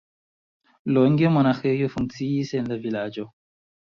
Longe monaĥejo funkciis en la vilaĝo.